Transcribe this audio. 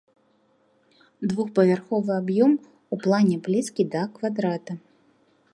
Двухпавярховы аб'ём, у плане блізкі да квадрата.